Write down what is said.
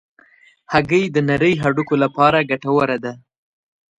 هګۍ د نرۍ هډوکو لپاره ګټوره ده.